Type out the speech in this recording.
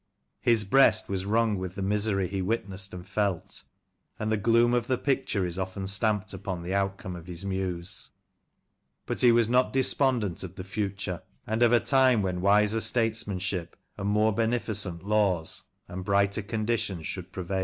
His breast was wrung with the misery he witnessed and felt, and the gloom of the picture is often stamped upon the outcome of his muse. But he was not despondent of the future, and of a time when wiser statesmanship, and more beneficent laws, and brighter conditions should prevail.